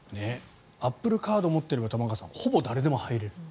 アップルカードを持っていればほぼ誰でも入れる。